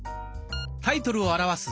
タイトルを表す